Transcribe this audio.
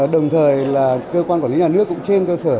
đồng thời là cơ quan quản lý nhà nước cũng trên cơ sở